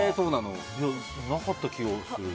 なかった気がする。